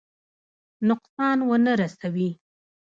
نقصان ونه رسوي.